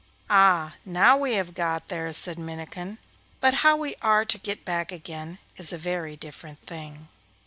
'Ah, now we have got there,' said Minnikin, 'but how we are to get back again is a very different thing.